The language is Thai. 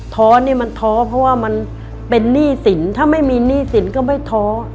ท้อนี่มันท้อเพราะว่ามันเป็นหนี้สินถ้าไม่มีหนี้สินก็ไม่ท้อ